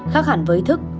khác hẳn với thức